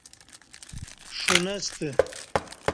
ݜُنستہ